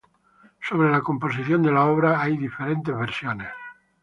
Sobre la composición de la obra hay diferentes versiones.